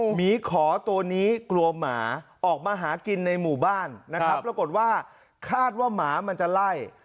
หมีขอตัวนี้กลัวหมาออกมาหากินในหมู่บ้านนะครับปรากฏว่าคาดว่าหมามันจะไล่